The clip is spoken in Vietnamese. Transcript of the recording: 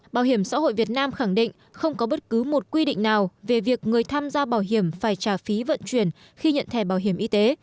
bảo hiểm xã hội việt nam khẳng định không có bất cứ một quy định nào về việc người tham gia bảo hiểm phải trả phí vận chuyển khi nhận thẻ bảo hiểm y tế